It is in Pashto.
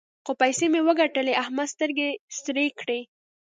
څو پيسې مې وګټلې؛ احمد سترګې سرې کړې.